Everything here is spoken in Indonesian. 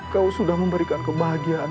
kau sudah memberikan kebahagiaan